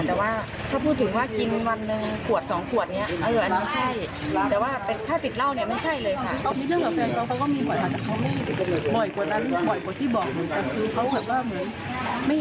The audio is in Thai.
แต่ว่าถ้าพูดถึงว่ากิน๑ขวด๒ขวดเหงี่ย